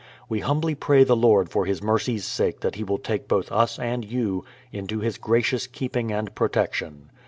We humbly pray the Lord for His mercy's sake that He will take both us and you into His gracious keeping and protection.